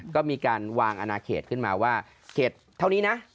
ก็มีการวางอนาเขตขึ้นมาว่าเขตเท่านี้นะ